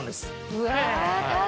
うわ。